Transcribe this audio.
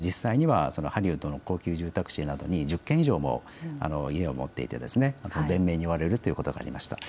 また所有する家は２軒と答えていたんですが、実際にはハリウッドの高級住宅地などに１０軒以上も家を持っていて弁明に追われるということがありました。